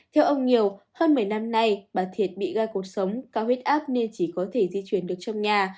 theo ông nhiều hơn một mươi năm nay bà thiệt bị gai cuộc sống cao huyết áp nên chỉ có thể di chuyển được trong nhà